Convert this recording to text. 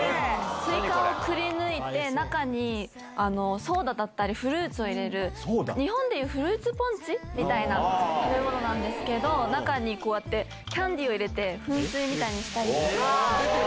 スイカをくりぬいて中にソーダだったりフルーツを入れる日本でいうフルーツポンチみたいな食べ物なんですけど中にこうやってキャンディーを入れて噴水みたいにしたり。